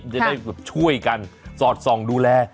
จะได้ช่วยกันสอดส่องดูแล